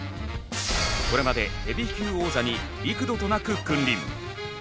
これまでヘビー級王座に幾度となく君臨。